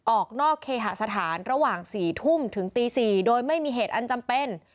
ออกนอกเคหสถานระหว่าง๔ทุ่มถึงตี๔โดยไม่มีเหตุอันจำเป็น